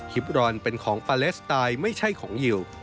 บรอนเป็นของปาเลสไตล์ไม่ใช่ของฮิว